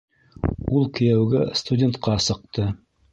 Ул кейәүгә студентҡа сыҡты.